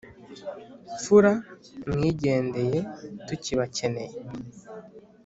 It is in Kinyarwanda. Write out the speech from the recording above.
mfura mwigendeye tukibacyeneye